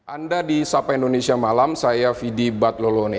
anda di sapa indonesia malam saya fidi batlolone